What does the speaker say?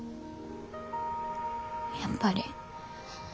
やっぱり。